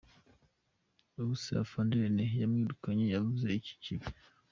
Ubuse Afande Rene bamwirukanye yavuze iki kibi?